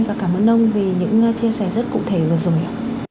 và cảm ơn ông vì những chia sẻ rất cụ thể và dùng